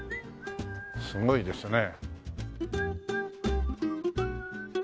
すごいですねえ。